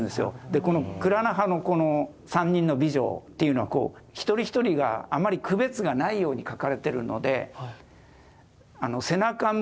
でこのクラーナハのこの３人の美女っていうのは一人一人があまり区別がないように描かれてるので背中